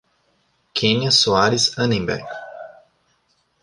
Kênia Soares Annemberg